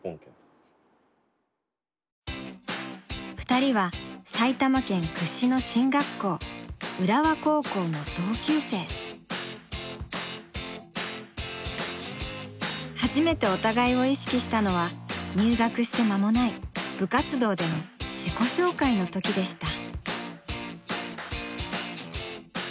２人は埼玉県屈指の進学校初めてお互いを意識したのは入学して間もない部活動での自己紹介の時でした。